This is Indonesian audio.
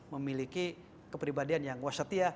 memiliki kepribadian yang wasyatiah